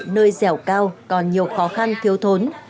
nơi dẻo cao còn nhiều khó khăn thiếu thốn